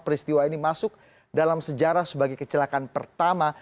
peristiwa ini masuk dalam sejarah sebagai kecelakaan pertama